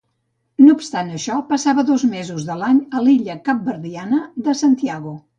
No obstant això, passava dos mesos de l'any a l'illa capverdiana de Santiago.